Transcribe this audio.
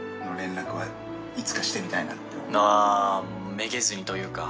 めげずにというか。